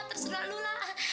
terserah lu la